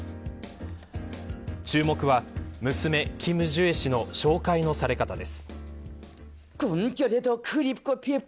注目は娘キム・ジュエ氏の紹介のされ方です。